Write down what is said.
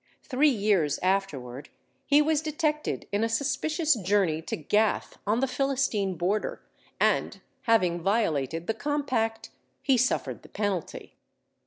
Three years afterward he was detected in a suspicious journey to Gath, on the Philistine border; and having violated the compact, he suffered the penalty.